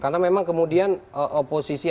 karena memang kemudian oposisi